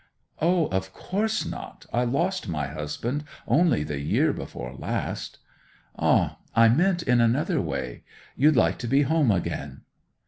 'O, of course not! I lost my husband only the year before last.' 'Ah! I meant in another way. You'd like to be home again?